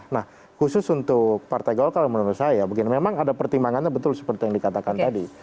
nah khusus untuk partai golkar menurut saya begini memang ada pertimbangannya betul seperti yang dikatakan tadi